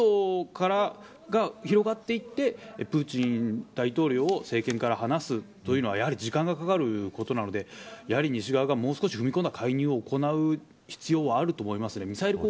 また、反戦運動が広がっていってプーチン大統領を政権から離すというのはやはり時間がかかることなのでやはり西側がもう少し踏み込んだ介入を行う必要はあると思います。